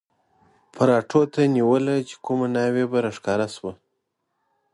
پراټو ته نیوله چې کومه ناوې به را ښکاره شوه.